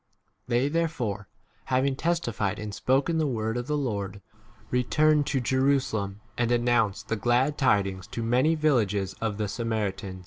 2r > They therefore, having testified and spoken the word of the Lord, returned to Jerusalem, and an nounced x the glad tidings to many villages of the Samaritans.